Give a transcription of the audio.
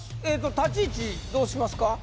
立ち位置どうしますか？